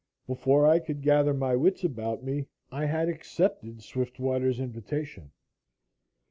Before I could gather my wits about me I had accepted Swiftwater's invitation.